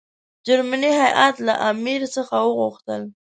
جرمني هیات له امیر څخه وغوښتل.